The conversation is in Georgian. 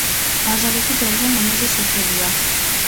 ბაზალეთი ძალიან ლამაზი სოფელია